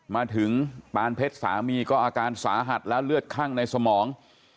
มาถึงปานเพชรสามีก็อาการสาหัสและเลือดคั่งในสมอง